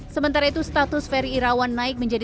sementara itu status ferry irawan naik menjadi